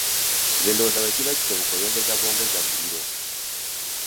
Nze ndowooza bwe kiba kisoboka oyongeza bwongeza muliro.